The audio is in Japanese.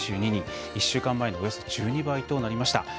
１週間前のおよそ１２倍となりました。